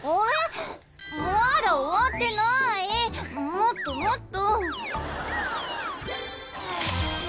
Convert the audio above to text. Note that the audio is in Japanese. もっともっと！